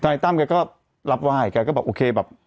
ท่านไอ้ตั้มแกก็รับว่ายแกก็บอกโอเคแบบ